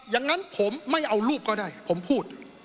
อย่างนั้นผมไม่เอารูปก็ได้ผมพูด